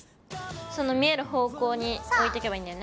その見える方向においてけばいいんだよね。